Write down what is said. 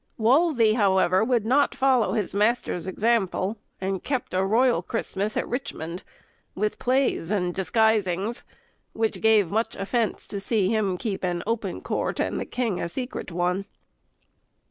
Wolsey, however, would not follow his master's example, and kept a royal Christmas at Richmond, with plays and disguisings, which gave much offence to see him keep an open court, and the king a secret one.